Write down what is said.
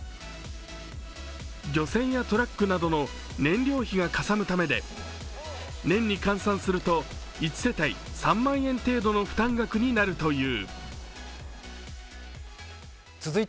漁船やトラックなどの燃料費がかさむためで、年に換算すると１世帯３万円程度の負担額になるという。